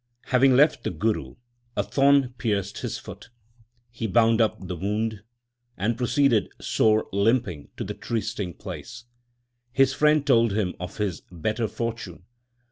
Having left the Guru, a thorn pierced his foot. He bound up the wound, and proceeded sore limping to the trysting place. His friend told him of his better fortune.